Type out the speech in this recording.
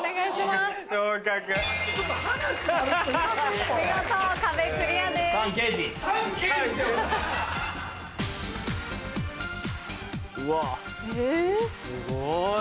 すごい。